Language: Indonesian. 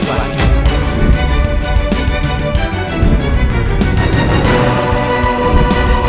pelan pelan doang mas